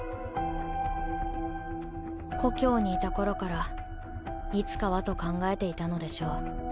故郷にいた頃からいつかはと考えていたのでしょう。